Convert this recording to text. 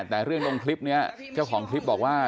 แต่เรื่องลงคลิปนี้เจ้าของคลิปบอกว่า